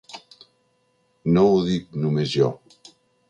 No ho dic només jo.